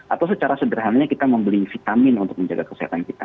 atau secara sederhananya kita membeli vitamin untuk menjaga kesehatan kita